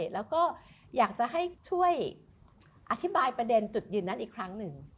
แล้วก็อยากจะให้ช่วยอธิบายประเด็นจุดยืนนั้นอีกครั้งหนึ่ง